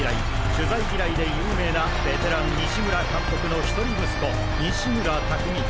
取材嫌いで有名なベテラン西村監督の一人息子西村拓味。